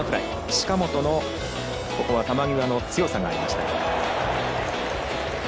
近本の球際の強さがありました。